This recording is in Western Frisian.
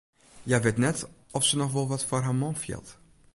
Hja wit net oft se noch wol wat foar har man fielt.